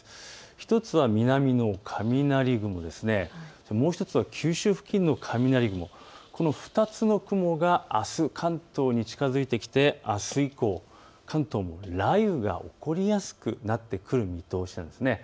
１つは南の雷雲、もう１つは九州付近の雷雲、この２つの雲があす関東に近づいてきてあす以降、関東に雷雨が起こりやすくなってくる見通しなんです。